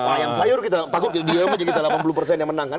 layang sayur kita takut dia yang menang